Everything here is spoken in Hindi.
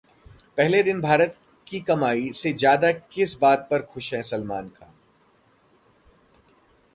पहले दिन भारत की कमाई से ज्यादा किस बात पर खुश हैं सलमान खान?